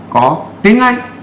có tiếng anh